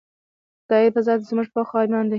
د خدائے پۀ ذات زمونږ پوخ ايمان دے